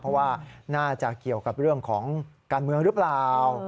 เพราะว่าน่าจะเกี่ยวกับเรื่องของการเมืองหรือเปล่า